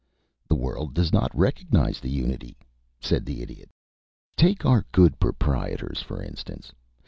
"The world does not recognize the unity," said the Idiot. "Take our good proprietors, for instance.